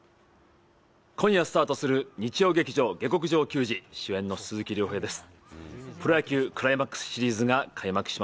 今夜スタートする日曜劇場「下剋上球児」主演の鈴木亮平です。